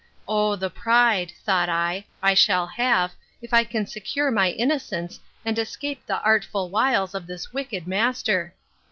O the pride, thought I, I shall have, if I can secure my innocence, and escape the artful wiles of this wicked master!